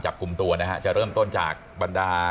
จับกลุ่มตัวนะฮะจะเริ่มต้นจากบรรดา